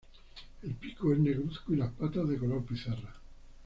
El pico es negruzco y las patas de color pizarra.